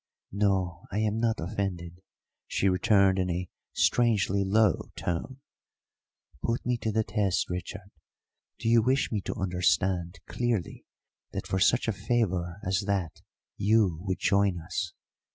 "No, I am not offended," she returned in a strangely low tone. "Put me to the test, Richard. Do you wish me to understand clearly that for such a favour as that you would join us?"